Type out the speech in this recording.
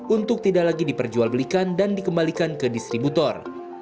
untuk tidak lagi diperjual belikan dan dikembalikan ke distributor